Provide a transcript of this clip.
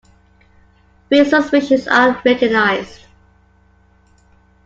Three subspecies are recognised.